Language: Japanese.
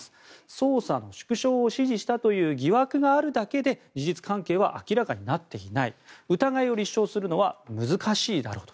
捜査の縮小を指示したという疑惑があるだけで事実関係は明らかになっていない疑いを立証するのは難しいだろうと。